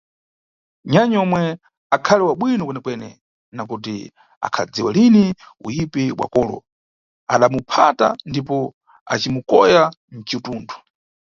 Nyanyi omwe akhali wa bwino kwene-kwene, nakuti akhadziwa lini uyipi bwa kolo, adamuphata ndipo acimukoya mcitundu.